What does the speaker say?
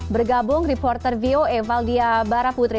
bergabung reporter voe valdia baraputri